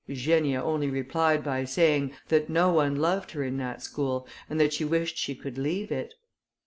Eugenia only replied by saying, "that no one loved her in that school, and that she wished she could leave it."